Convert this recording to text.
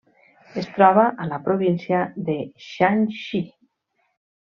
Es troba a la província de Shanxi.